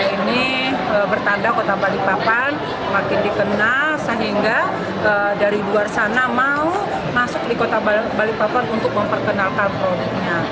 ini bertanda kota balikpapan makin dikenal sehingga dari luar sana mau masuk di kota balikpapan untuk memperkenalkan produknya